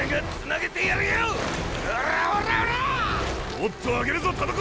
もっと上げるぞ田所。